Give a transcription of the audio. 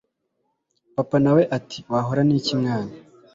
papa nawe ati wahora niki mwana